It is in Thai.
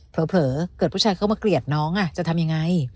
เผลอเกิดผู้ชายเข้ามาเกลียดน้องจะทำยังไง